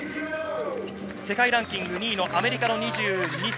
世界ランキング２位のアメリカの２２歳。